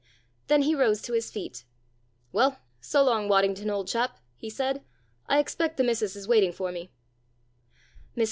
Then he rose to his feet. "Well, so long, Waddington, old chap," he said. "I expect the missis is waiting for me."